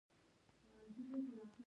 ازادي راډیو د ورزش اړوند مرکې کړي.